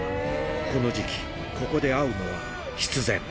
この時期、ここで会うのは必然。